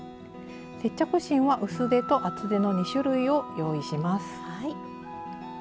接着芯は薄手と厚手の２種類を用意します。